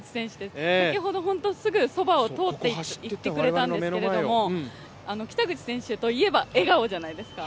先ほどすぐそばを通っていってくれたんですけど北口選手といえば笑顔じゃないですか。